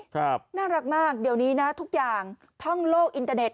ครับน่ารักมากเดี๋ยวนี้นะทุกอย่างท่องโลกอินเตอร์เน็